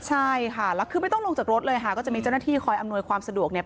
ใช่ค่ะแล้วคือไม่ต้องลงจากรถเลยค่ะก็จะมีเจ้าหน้าที่คอยอำนวยความสะดวกเนี่ย